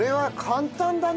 簡単。